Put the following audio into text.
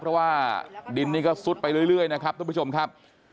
เพราะว่าดินนี่ก็ซุดไปเรื่อยนะครับทุกผู้ชมครับ